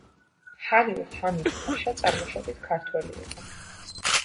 ჰალილ ჰამიდ-ფაშა წარმოშობით ქართველი იყო.